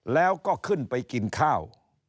แล้วก็ขึ้นไปกินข้าว